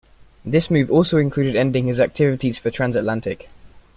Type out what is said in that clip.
This move also included ending his activities for Transatlantic.